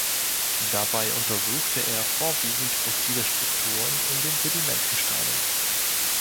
Dabei untersuchte er vorwiegend fossile Strukturen in den Sedimentgesteinen.